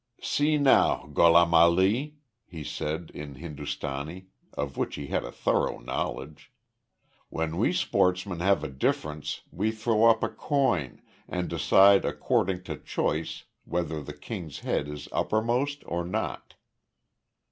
"See now, Gholam Ali," he said, in Hindustani, of which he had a thorough knowledge. "When we sportsmen have a difference we throw up a coin, and decide according to choice whether the King's head is uppermost or not.